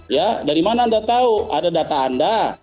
ya dari mana anda tahu ada data anda